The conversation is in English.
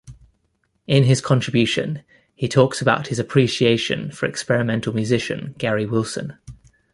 In his contribution, he talks about his appreciation for experimental musician Gary Wilson.